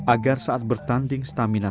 agar saat bertanding stamina